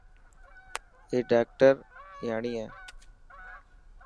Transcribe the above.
اي ڊاڪٽرياڻي هي.